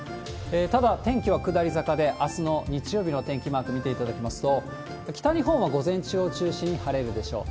ただ、天気は下り坂で、あすの日曜日のお天気マーク見ていただきますと、北日本は午前中を中心に晴れるでしょう。